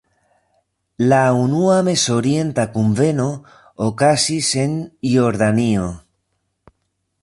La unua Mezorienta kunveno okazis en Jordanio.